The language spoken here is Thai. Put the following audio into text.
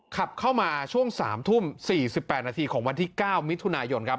ขับเข้ามาช่วง๓ทุ่ม๔๘นาทีของวันที่๙มิถุนายนครับ